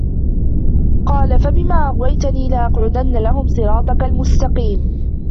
قال فبما أغويتني لأقعدن لهم صراطك المستقيم